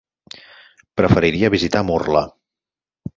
Preferiria visitar Murla.